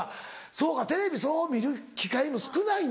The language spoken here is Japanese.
そうかテレビそう見る機会も少ないんだ。